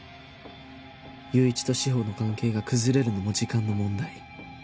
友一と志法の関係が崩れるのも時間の問題